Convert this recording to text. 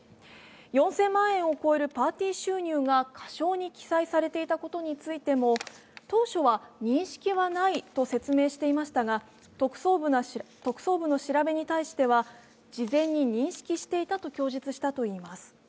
４０００万円を超えるパーティー収入が過小に記載されていたことについても当初は認識はないと説明していましたが特捜部の調べに対しては事前に認識していたと供述したといいます。